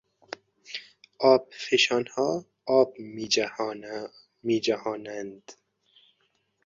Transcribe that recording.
آبفشانها آب می جهانند.